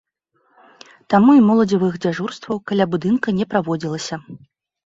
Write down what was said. Таму і моладзевых дзяжурстваў каля будынка не праводзілася.